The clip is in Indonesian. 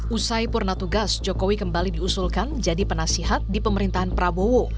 usai purna tugas jokowi kembali diusulkan jadi penasihat di pemerintahan prabowo